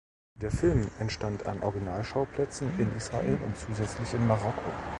Der Film entstand an Originalschauplätzen in Israel und zusätzlich in Marokko.